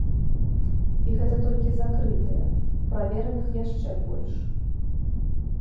І гэта толькі закрытыя, правераных яшчэ больш.